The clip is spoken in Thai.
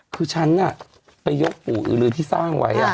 คือฉันน่ะไปยกปู่อืดหลืนที่สร้างไว้อ่ะ